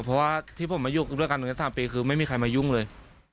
เพราะว่าที่ผมมาอยู่ด้วยกันตรงนี้๓ปีคือไม่มีใครมายุ่งเลย